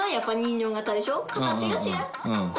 形が違う。